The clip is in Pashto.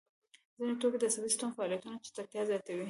ځیني توکي د عصبي سیستم فعالیتونه چټکتیا زیاتوي.